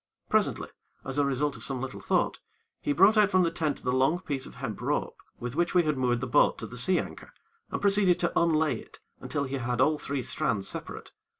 Presently, as a result of some little thought, he brought out from the tent the long piece of hemp rope with which we had moored the boat to the sea anchor, and proceeded to unlay it, until he had all three strands separate.